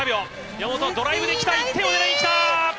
山本、ドライブで来た１点を狙いに来た！